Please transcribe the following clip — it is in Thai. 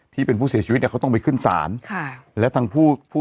ที่เป็นผู้เสียชีวิตเนี่ยเขาต้องไปขึ้นศาลค่ะแล้วทางผู้ผู้